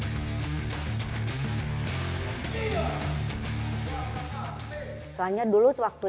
kejurnas ke sembilan belas iron fil chcia berhubung berdagang dengan ket avons ingin menghasilkan batsi sign rotong